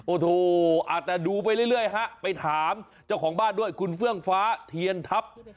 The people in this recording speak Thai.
โอ้โหแต่ดูไปเรื่อยฮะไปถามเจ้าของบ้านด้วยคุณเฟื่องฟ้าเทียนทัพ